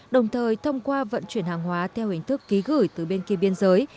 đồng thời thông qua vận chuyển hàng hóa theo hình thức ký gửi từ bên kia biên giới